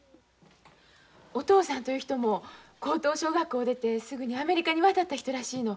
お父さんという人も高等小学校を出てすぐにアメリカに渡った人らしいの。